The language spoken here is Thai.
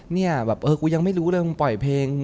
เนี่ยแบบเออกูยังไม่รู้เลยมึงปล่อยเพลง